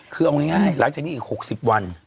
คือเอาง่ายหลังจากนี้อีก๖๐วัน